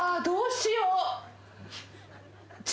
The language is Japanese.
どうしよう？